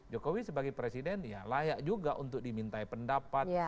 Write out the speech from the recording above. jokowi sebagai presiden layak juga untuk diminta pendapat